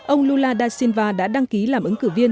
ông lula da silva đã đăng ký làm ứng cử viên